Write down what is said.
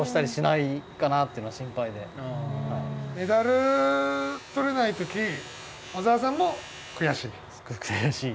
メダル獲れない時小澤さんも悔しい？